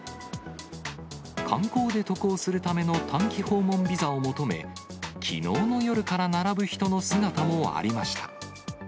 観光で渡航するための短期訪問ビザを求め、きのうの夜から並ぶ人の姿もありました。